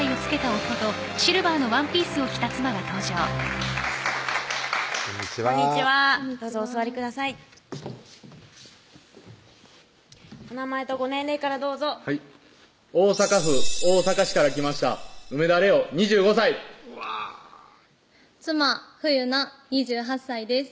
お名前とご年齢からどうぞはい大阪府大阪市から来ました梅田玲央２５歳妻・冬菜２８歳です